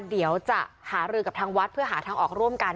เดี๋ยวจะหารือกับทางวัดเพื่อหาทางออกร่วมกัน